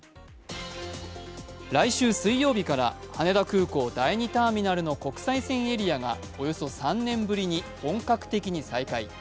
来週水曜日から羽田空港第２ターミナルの国際線エリアがおよそ３年ぶりに本格的に再開。